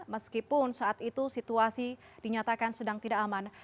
meskipun saat itu situasi dinyatakan sedang tidak aman